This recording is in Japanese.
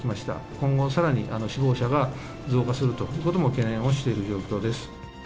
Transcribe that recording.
今後さらに死亡者が増加するということも懸念をしている状況です。